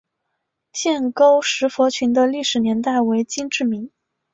建沟石佛群的历史年代为金至明。